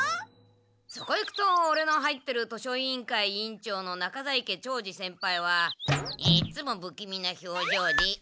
そこにいくとオレの入ってる図書委員会委員長の中在家長次先輩はいっつもぶきみな表情で。